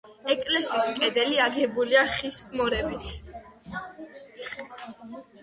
ეკლესიის კედლები აგებულია ხის მორებით.